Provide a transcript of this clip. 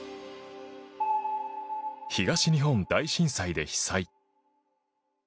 東日本大震災で被災。